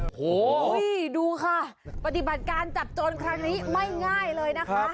โอ้โหดูค่ะปฏิบัติการจับโจรครั้งนี้ไม่ง่ายเลยนะคะ